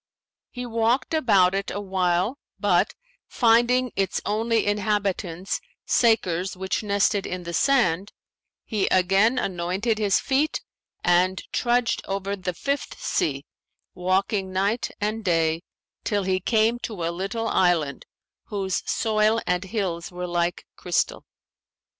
He walked about it awhile but, finding its only inhabitants sakers which nested in the sand, he again anointed his feet and trudged over the Fifth Sea, walking night and day till he came to a little island, whose soil and hills were like crystal.